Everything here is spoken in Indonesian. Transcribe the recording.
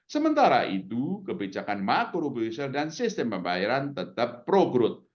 sementara itu kebijakan makrobudur dan sistem pembayaran tetap pro growth